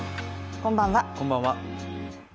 こんばんは。